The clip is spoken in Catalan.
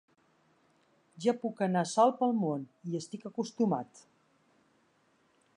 Ja puc anar sol pel món, hi estic acostumat.